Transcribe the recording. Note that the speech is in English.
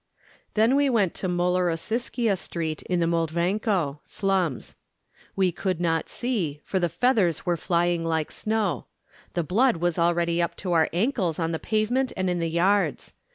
Then we went to Molorosiskia Street in the Moldvanko (slums). We could not see, for the feathers were flying like snow. The blood was already up to our ankles on the pavement and in the yards.